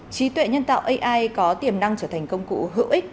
trí tuệ nhân tạo ai có tiềm năng trở thành công cụ hữu ích